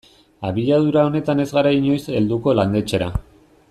Abiadura honetan ez gara inoiz helduko landetxera.